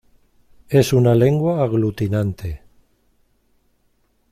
Es una lengua aglutinante.